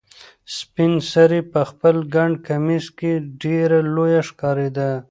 سپین سرې په خپل ګڼ کمیس کې ډېره لویه ښکارېده.